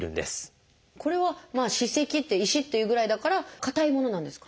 これは「歯石」って「石」っていうぐらいだから硬いものなんですか？